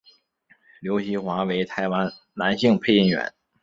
刘锡华为台湾男性配音员。